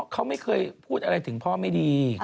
เขาไม่เคยพูดอะไรถึงพ่อไม่ดี